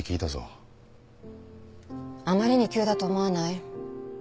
あまりに急だと思わない？